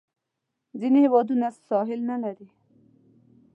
ځینې هیوادونه ساحل نه لري.